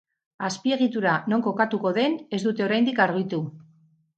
Azpiegitura non kokatuko den ez dute oraindik argitu.